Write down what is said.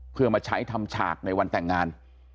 เพื่อมาใช้ทำฉากในวันแต่งงาน